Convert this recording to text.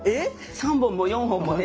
３本も４本もね